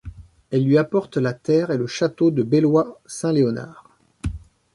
Elle lui apporte la terre et le château de Belloy Saint Léonard.